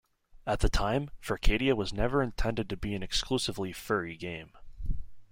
At the time, "Furcadia" was never intended to be an exclusively 'furry' game.